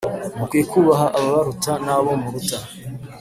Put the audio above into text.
mukwiriye kubaha ababaruta nabo muruta